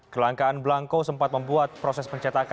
kelangkaan belangko sempat membuat proses pencatatan iktp wsb